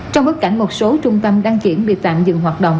trong bối cảnh một số trung tâm đăng kiểm bị tạm dừng hoạt động